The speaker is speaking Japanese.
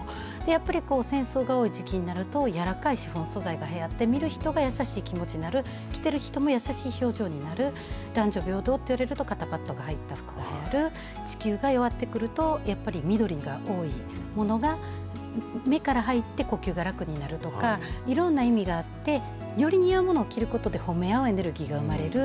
やっぱり戦争が多い時期になると、柔らかいシフォン素材が、見る人が優しい気持ちになる、着てる人も優しい表情になる、男女平等っていうと肩パットが入った服がはやる、地球が弱ってくると、やっぱり緑が多いものが、目から入って呼吸が楽になるとか、いろんな意味があって、よりに合うものを着ることで、褒め合うエネルギーが生まれる。